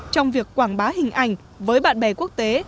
trong việc quảng bá hình ảnh với bạn bè quốc tế